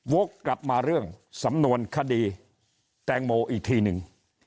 วกกลับมาเรื่องสำนวนคดีแตงโมอีกทีหนึ่ง